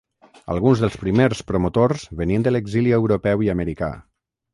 Alguns dels primers promotors venien de l’exili europeu i americà.